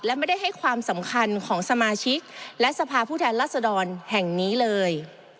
และไม่ได้ให้ความสำคัญของสมาชิกและสภาพผู้แทนรัศดรแห่งนี้เลย